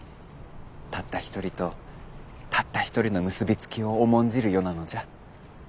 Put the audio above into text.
たった一人とたった一人の結び付きを重んじる世なのじゃ。